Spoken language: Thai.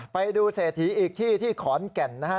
ไปดูเศรษฐีอีกที่ที่ขอนแก่นนะฮะ